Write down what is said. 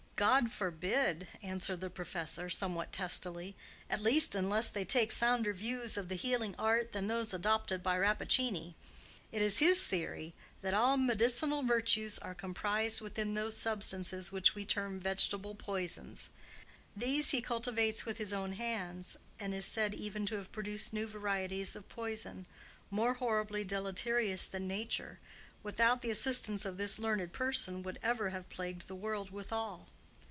"God forbid," answered the professor, somewhat testily; "at least, unless they take sounder views of the healing art than those adopted by Rappaccini. It is his theory that all medicinal virtues are comprised within those substances which we term vegetable poisons. These he cultivates with his own hands, and is said even to have produced new varieties of poison, more horribly deleterious than Nature, without the assistance of this learned person, would ever have plagued the world withal.